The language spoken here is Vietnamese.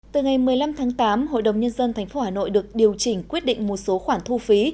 từ ngày một mươi năm tháng tám hội đồng nhân dân tp hà nội được điều chỉnh quyết định một số khoản thu phí